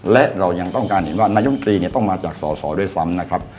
และเรายังต้องการเห็นว่านายมตรีต้องมาจากสอสอด้วยซ้ำนะครับ